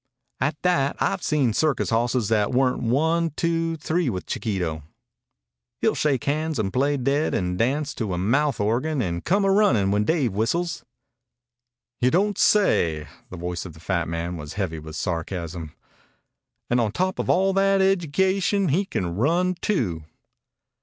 "At that, I've seen circus hosses that weren't one two three with Chiquito. He'll shake hands and play dead and dance to a mouth organ and come a runnin' when Dave whistles." "You don't say." The voice of the fat man was heavy with sarcasm. "And on top of all that edjucation he can run too."